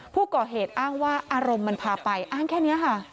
ผู้ก่อเหตุอ้างว่าอารมณ์มันพาไปอ้างแค่นี้ค่ะ